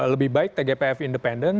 lebih baik tgpf independen